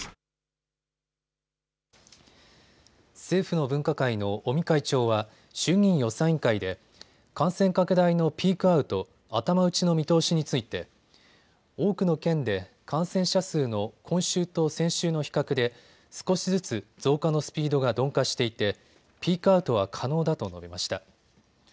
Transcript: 政府の分科会の尾身会長は衆議院予算委員会で感染拡大のピークアウト・頭打ちの見通しについて多くの県で感染者数の今週と先週の比較で少しずつ増加のスピードが鈍化していてピークアウトは可能だと述べました。